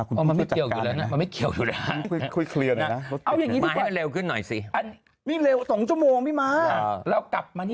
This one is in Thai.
กับเธอยไปดูทางงามกันไง